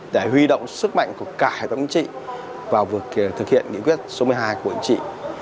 để huy động sức mạnh của cả hệ thống ứng trị vào việc thực hiện nghị quyết số một mươi hai của bộ yên trị